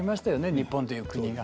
日本という国が。